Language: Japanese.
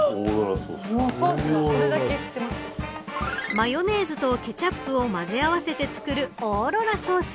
マヨネーズとケチャップを混ぜ合わせて作るオーロラソース